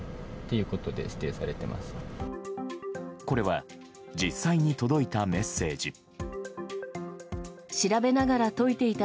これは実際に届いたメッセージ。